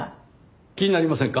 気になりませんか？